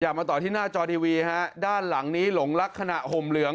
มาต่อที่หน้าจอทีวีฮะด้านหลังนี้หลงลักษณะห่มเหลือง